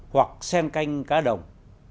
hoặc sen canh cá đồng